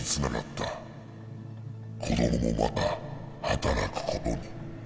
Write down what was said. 子供もまた働くことに。